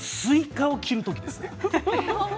あとはスイカを切る時ですね。